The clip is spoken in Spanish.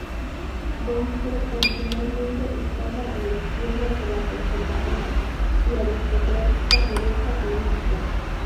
Venstre originalmente estaba a la izquierda de la conservadora y aristocrática derecha política.